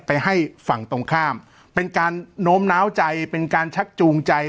ไปให้ฝั่งตรงข้ามเป็นการโน้มน้าวใจเป็นการชักจูงใจ